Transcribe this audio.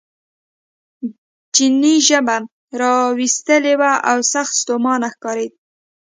چیني ژبه را ویستلې وه او سخت ستومانه ښکارېده.